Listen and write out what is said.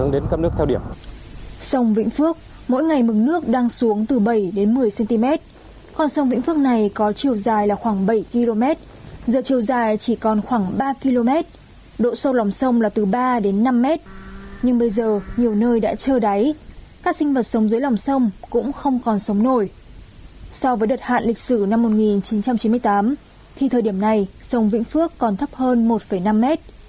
lịch sử năm một nghìn chín trăm chín mươi tám thì thời điểm này sông vĩnh phước còn thấp hơn một năm mét